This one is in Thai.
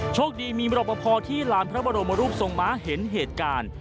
โชคดีมีมรบพอที่ลานพระบรมรูปทรงม้าเห็นเหตุการณ์